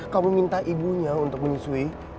kamu minta ibunya untuk menyusui